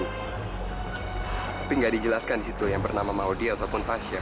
tapi nggak dijelaskan disitu yang bernama mau dia ataupun tasya